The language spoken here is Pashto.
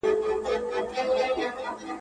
د لېوني څخه ئې مه غواړه، مې ورکوه.